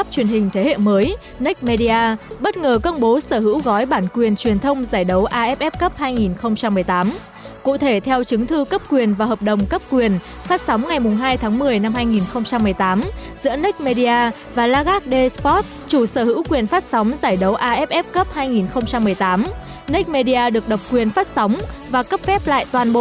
các đơn vị cung cấp truyền hình trả tiền ở việt nam tiếp sóng giải đấu aff suzuki cup hai nghìn một mươi tám trên hệ thống truyền hình trả tiền